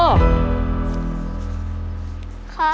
ครับ